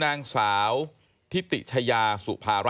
ถ้าเขาถูกจับคุณอย่าลืม